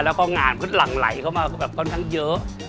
แล้วก็งานก็หลั่งไหลเข้ามาแบบค่อนข้างเยอะ